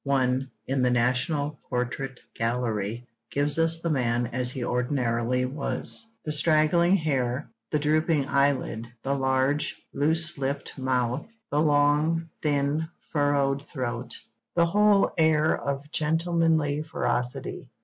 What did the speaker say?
One, in the National Portrait Gallery, gives us the man as he ordinarily was: the straggling hair, the drooping eyelid, the large, loose lipped mouth, the long, thin, furrowed throat, the whole air of gentlemanly ferocity.